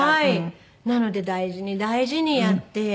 なので大事に大事にやって。